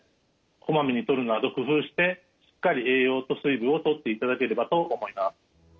こまめにとるなど工夫してしっかり栄養と水分をとっていただければと思います。